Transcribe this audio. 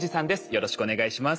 よろしくお願いします。